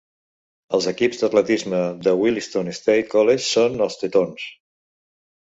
Els equips d'atletisme del Williston State College són els Tetons.